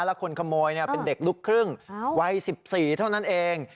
แล้วคนขโมยเป็นเด็กลูกครึ่งวัย๑๔เท่านั้นเอง